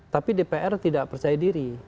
tapi dpr tidak percaya diri